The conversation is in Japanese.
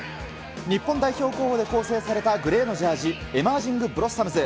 日本代表候補で構成されたグレーのジャージ、エマージングブロッサムズ。